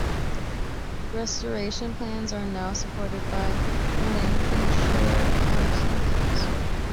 Restoration plans are now supported by Lincolnshire County Council.